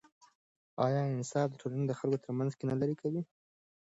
آیا انصاف د ټولنې د خلکو ترمنځ کینه لیرې کوي؟